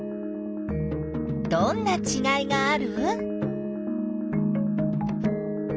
どんなちがいがある？